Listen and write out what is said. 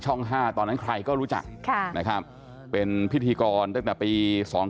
๕ตอนนั้นใครก็รู้จักนะครับเป็นพิธีกรตั้งแต่ปี๒๕๖